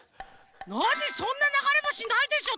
なにそんなながれぼしないでしょ！